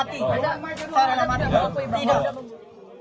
tidak saya adalah mati